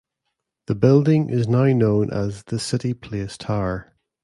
The building is now known as the "City Place Tower".